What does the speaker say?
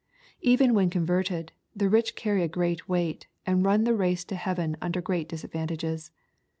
'' Even when converted, the rich carry a great weight, and run the race to heaven under great disadvantages.